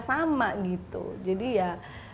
sama gitu jadi ya